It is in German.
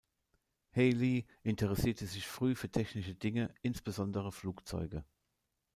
Healey interessierte sich früh für technische Dinge, insbesondere Flugzeuge.